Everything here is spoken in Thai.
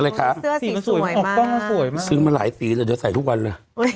เสื้อสีสวยมากสวยมากซื้อมาหลายสีเลยเดี๋ยวใส่ทุกวันเลย